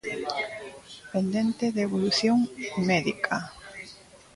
Pendente de evolución médica.